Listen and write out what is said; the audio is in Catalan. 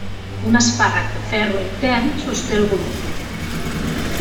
Un espàrrec de ferro intern sosté el volum.